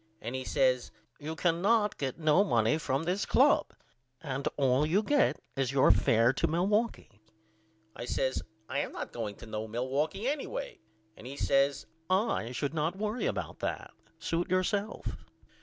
And he says You cannot get no money from this club and all you get is your fair to Milwaukee. I says I am not going to no Milwaukee anyway and he says I should not worry about that. Suit yourself.